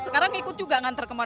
sekarang ikut juga ngantar kemarin